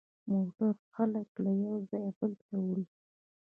موټر خلک له یوه ځایه بل ته وړي.